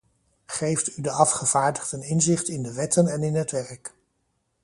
Geeft u de afgevaardigden inzicht in de wetten en in het werk.